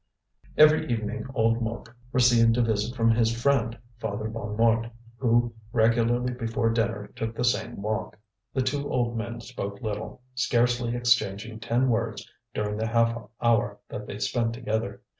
Every evening old Mouque received a visit from his friend, Father Bonnemort, who regularly before dinner took the same walk. The two old men spoke little, scarcely exchanging ten words during the half hour that they spent together.